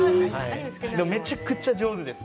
めちゃくちゃ上手です。